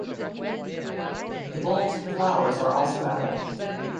The bulbs and flowers are also edible.